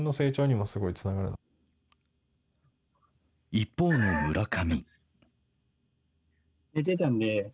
一方の村上。